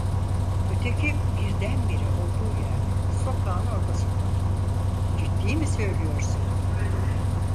Öteki birdenbire olduğu yerde, sokağın ortasında durdu: "Ciddi mi söylüyorsun?" dedi.